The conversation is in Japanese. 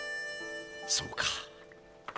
そうか。